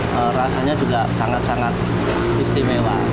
harga rp sembilan tuh rasanya juga sangat sangat istimewa